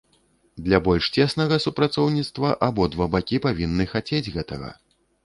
Для больш цеснага супрацоўніцтва абодва бакі павінны хацець гэтага.